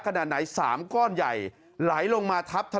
ขนาดไหนสามก้อนใหญ่ไหลลงมาทับทะลด